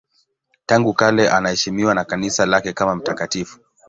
Tangu kale anaheshimiwa na Kanisa lake kama mtakatifu.